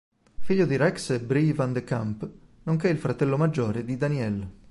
Figlio di Rex e Bree Van de Kamp, nonché il fratello maggiore di Danielle.